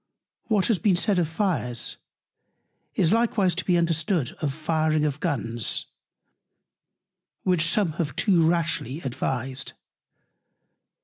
What has been said of Fires, is likewise to be understood of firing of Guns, which some have too rashly advised.